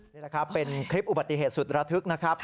นี่แหละครับเป็นคลิปอุบัติเหตุสุดระทึกนะครับ